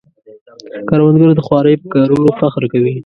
کروندګر د خوارۍ په کارونو فخر کوي